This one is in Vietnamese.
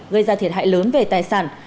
gây ra thiệt hại lớn về tài sản